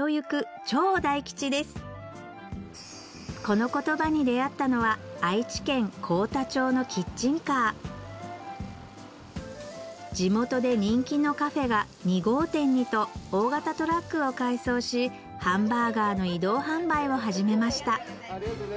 このコトバに出合ったのは愛知県幸田町のキッチンカー地元で人気のカフェが２号店にと大型トラックを改装しハンバーガーの移動販売を始めました